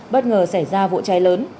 bất ngờ xảy ra vụ cháy lớn